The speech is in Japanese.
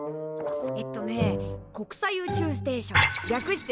えっとね国際宇宙ステーション略してＩＳＳ。